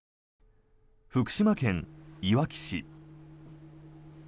福島県いわき市。